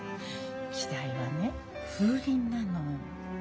季題はね「風鈴」なの。